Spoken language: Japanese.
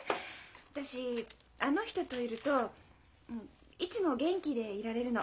私あの人といるといつも元気でいられるの。